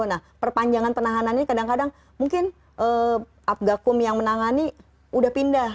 nah perpanjangan penahanannya kadang kadang mungkin abgakum yang menangani udah pindah